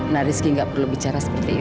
nak rizky gak perlu bicara seperti itu